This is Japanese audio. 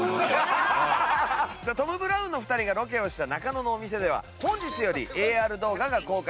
トム・ブラウンの２人がロケをした中野のお店では本日よりＡＲ動画が公開されております。